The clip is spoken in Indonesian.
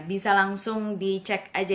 bisa langsung dicek aja